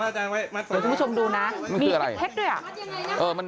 เดี๋ยวคุณผู้ชมดูนะมีเพชรด้วยอ่ะ